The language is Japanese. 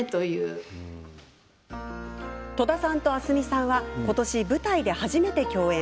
戸田さんと明日海さんは今年舞台で初めて共演。